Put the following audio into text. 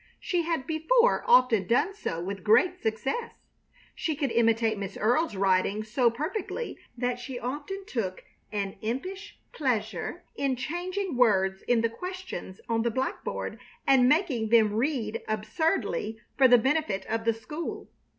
She had before often done so with great success. She could imitate Miss Earle's writing so perfectly that she often took an impish pleasure in changing words in the questions on the blackboard and making them read absurdly for the benefit of the school.